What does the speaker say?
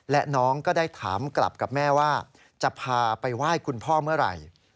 และน้องก็ได้ถามกลับกับแม่ว่าจะพาไปไหว้คุณพ่อเมื่อไหร่